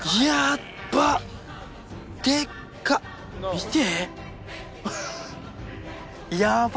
見て！